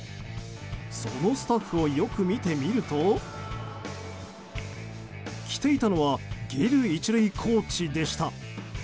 そのスタッフをよく見てみると着ていたのはギル１塁コーチでした。